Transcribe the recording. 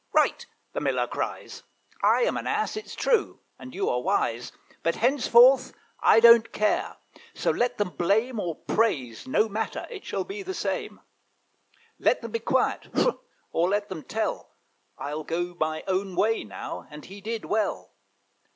'Right,' the Miller cries; 'I am an Ass, it's true, and you are wise; But henceforth I don't care, so let them blame Or praise, no matter, it shall be the same; Let them be quiet, pshaw! or let them tell, I'll go my own way now;'" and he did well.